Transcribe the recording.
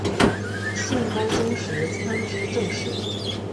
宋高宗时参知政事。